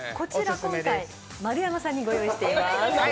今回丸山さんに御用意しています。